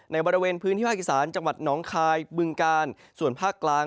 ในบริเวณพื้นที่ภาคอีสานจังหวัดน้องคายบึงกาลส่วนภาคกลาง